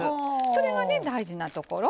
それがね大事なところ。